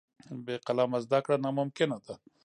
بې قلمه زده کړه ناممکنه ده.